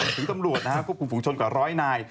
ถึงตำรวจนะฮะคุมภูมิชนกว่า๑๐๐นาย